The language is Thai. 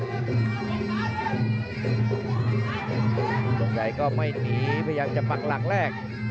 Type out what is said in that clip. ลงชัยก็ไม่หนีพยายามจะปักหลักแรก